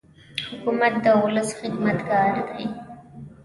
حکومت د ولس خدمتګار دی.